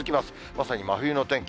まさに真冬の天気。